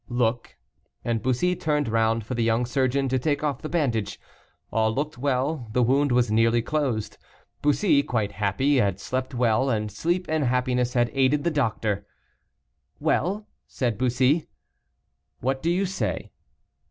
"Look." And Bussy turned round for the young surgeon to take off the bandage. All looked well; the wound was nearly closed. Bussy, quite happy, had slept well, and sleep and happiness had aided the doctor. "Well," said Bussy, "what do you say?"